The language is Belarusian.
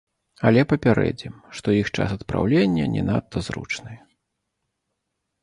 Але папярэдзім, што іх час адпраўлення не надта зручны.